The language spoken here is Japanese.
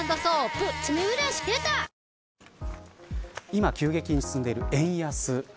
今、急激に進んでいる円安。